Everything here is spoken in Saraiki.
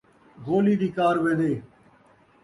گولی دی کار وین٘دے